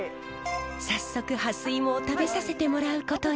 早速ハスイモを食べさせてもらうことに。